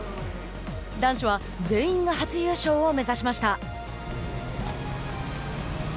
男子は全員が初優勝を目指しました。